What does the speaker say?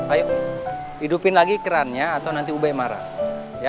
ayo hidupin lagi kerannya atau nanti ubay marah ya